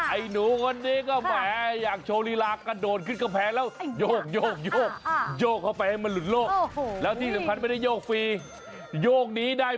ไอ้หนูคนนี้ก็แหมอยากโชวิลากระโดนขึ้นกระแพงแล้วโยก